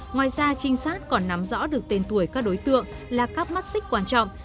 ngoài ra trinh sát còn nắm rõ được tên tuổi các đối tượng là các mắt xích quan trọng